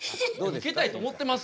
ウケたいと思ってます。